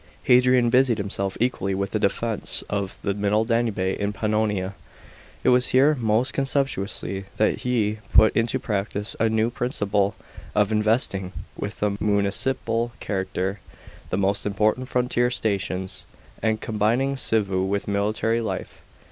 § 11. Hadrian busied himself equally with the defence of the middle Danube in Pannonia. It was here most conspicuously that he put into practice a new principle of investing with a municipal character the most important frontier stations, and combining civU with military life.